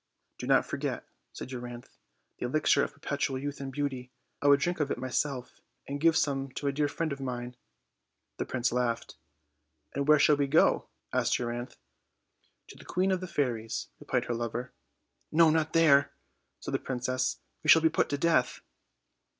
"Do not forget," said Euryanthe, "the elixir of per petual youth and beauty; I would drink of it myself and give some to a dear friend of mine." The prince laughed. "And where shall we go?" asked Euryanthe. "To the Queen of the Fairies," replied her lover. "No, not there," said the princess; "we shall be put to death."